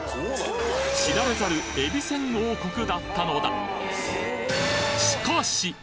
知られざるえびせん王国だったのだ！